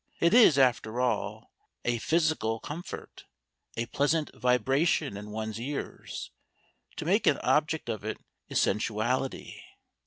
It is, after all, a physical comfort, a pleasant vibration in one's ears. To make an object of it is sensuality.